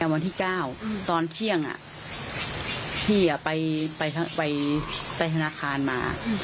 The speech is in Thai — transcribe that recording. วันที่๙ตอนเที่ยงพี่ไปธนาคารมา